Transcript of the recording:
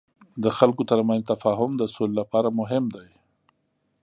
د خلکو ترمنځ تفاهم د سولې لپاره مهم دی.